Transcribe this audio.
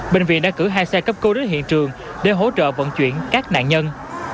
bệnh viện đã cử hai xe cấp cứu đến hiện trường để hỗ trợ vận chuyển các nạn nhân